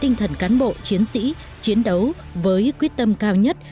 tinh thần cán bộ chiến sĩ chiến đấu với quyết tâm cao nhất